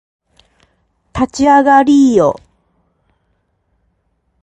立ち上がりーよ